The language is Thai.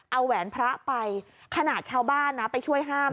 เอาแหวนพระไปขนาดชาวบ้านนะไปช่วยห้าม